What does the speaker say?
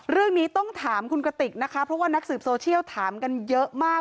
เรื่องนี้ต้องถามคุณกติกนะคะเพราะว่านักสืบโซเชียลถามกันเยอะมาก